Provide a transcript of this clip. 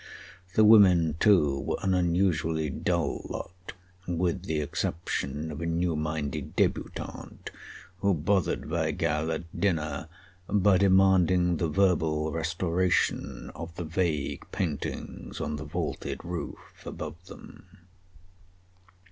The women, too, were an unusually dull lot, with the exception of a new minded débutante who bothered Weigall at dinner by demanding the verbal restoration of the vague paintings on the vaulted roof above them.